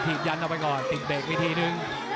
ยันออกไปก่อนติดเบรกวิธีนึง